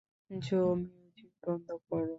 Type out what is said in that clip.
জো music বন্ধ কর।